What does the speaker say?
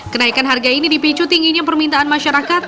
kenaikan harga ini dipicu tingginya permintaan masyarakat